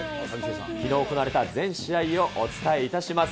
きのう行われた全試合をお伝えいたします。